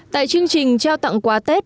tại chương trình trao tặng quà tết